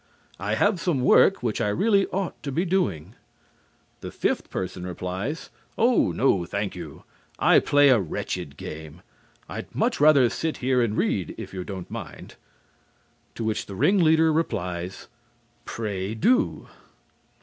I have some work which I really ought to be doing." The fifth person replies: "Oh, no, thank you! I play a wretched game. I'd much rather sit here and read, if you don't mind." To which the ring leader replies: "Pray do."